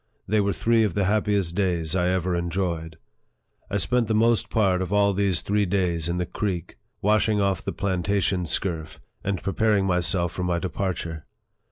They were three of the happiest days I ever enjoyed. I spent the most part of all these three days in the creek, washing off the plantation scurf, and preparing myself for my departure.